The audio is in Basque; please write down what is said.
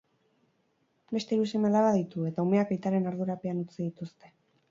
Beste hiru seme-alaba ditu, eta umeak aitaren ardurapean utzi dituzte.